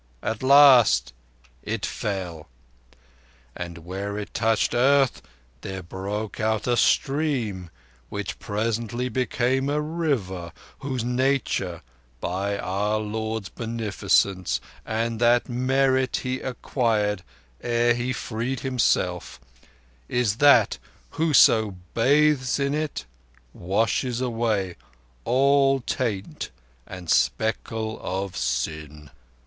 At the last it fell; and, where it touched earth, there broke out a stream which presently became a River, whose nature, by our Lord's beneficence, and that merit He acquired ere He freed himself, is that whoso bathes in it washes away all taint and speckle of sin."